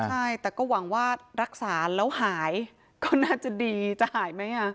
ใช่แต่ก็หวังว่ารักษาแล้วหายก็น่าจะดีจะหายไหม